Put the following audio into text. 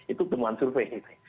itu temuan survei